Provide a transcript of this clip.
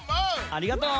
ありがとう！